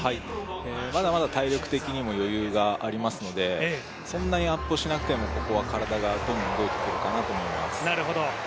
まだまだ体力的にも余裕がありますので、そんなにアップしなくてもここは体がどんどん動いてくるかなと思います。